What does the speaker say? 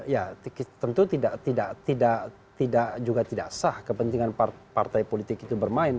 ya tentu tidak juga tidak sah kepentingan partai politik itu bermain